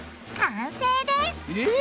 完成です！え！